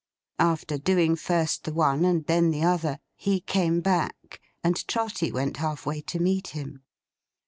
After doing first the one and then the other, he came back, and Trotty went half way to meet him.